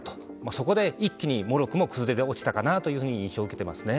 そこで一気にもろくも崩れ落ちたかなという印象を受けますね。